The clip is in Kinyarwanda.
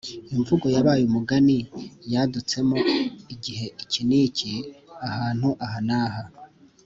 imvugo yabaye umugani yadutsemo igihe iki n’iki, ahantu aha n’aha.